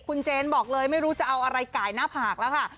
คุณเจนบอกเลยไม่รู้จะเอาอะไรไก่หน้าผากแล้วค่ะ